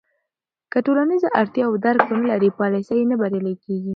که د ټولنیزو اړتیاوو درک ونه لرې، پالیسۍ نه بریالۍ کېږي.